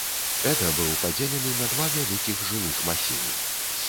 Эда быў падзелены на два вялікіх жылых масівы.